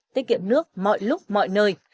tiết kiệm nước mọi lúc mọi nơi